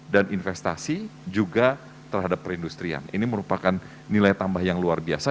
dan investasi juga terhadap perindustrian ini merupakan nilai tambah yang luar biasa